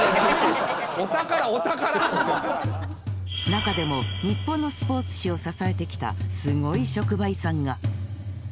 中でも日本のスポーツ史を支えてきたすごい職場遺産が。